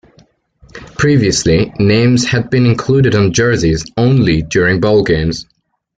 Previously, names had been included on jerseys only during bowl games.